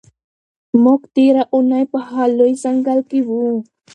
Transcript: موږ تېره اونۍ په هغه لوی ځنګل کې وو.